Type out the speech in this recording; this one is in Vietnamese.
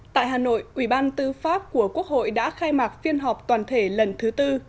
tại hà nội ủy ban tư pháp của quốc hội đã khai mạc phiên họp toàn thể lần thứ tư